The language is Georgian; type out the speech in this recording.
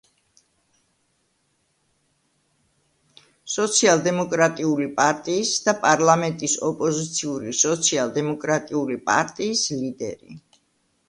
სოციალ-დემოკრატიული პარტიის და პარლამენტის ოპოზიციური სოციალ-დემოკრატიული პარტიის ლიდერი.